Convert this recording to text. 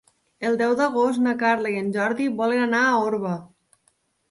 El deu d'agost na Carla i en Jordi volen anar a Orba.